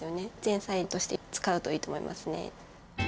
前菜として使うといいと思いますね。